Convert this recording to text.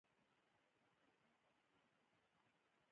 په راپور کې زما د هڅو یادونه نه ده شوې.